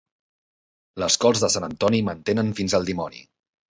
Les cols de Sant Antoni mantenen fins al dimoni.